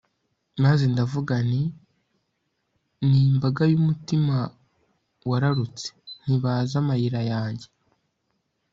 maze ndavuga nti 'ni imbaga y'umutima wararutse, ntibazi amayira yanjye